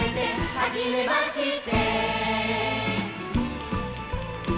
「はじめまして」